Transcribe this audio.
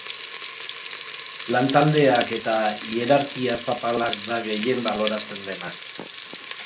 Lan taldeak eta hierarkia zapalak da gehien baloratzen dena.